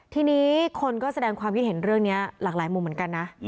ทีนี้คนก็แสดงความคิดเห็นเรื่องนี้หลากหลายมุมเหมือนกันนะ